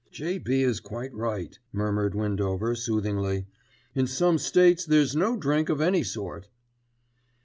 "J.B. is quite right," murmured Windover soothingly. "In some States there's no drink of any sort."